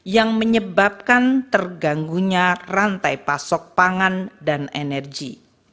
yang menyebabkan terganggunya rantai pasok pangan dan energi